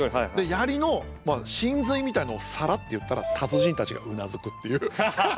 槍の神髄みたいのをサラッと言ったら達人たちがうなずくっていう。